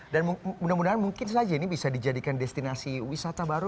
dan mudah mudahan mungkin saja ini bisa dijadikan destinasi wisata baru